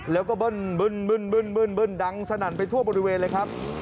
แล้วก็เบิ้ลดังสนั่นไปทั่วบริเวณเลยครับ